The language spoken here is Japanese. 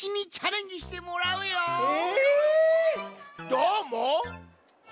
どーもっ！？